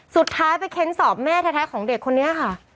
สุดท้ายไปเค้นสอบแม่แท้ของเด็กคนนี้ค่ะ